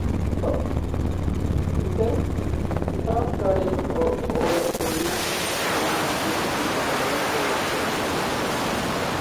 So, he first studied Orientalism; obtaining a PhD in Oriental Languages.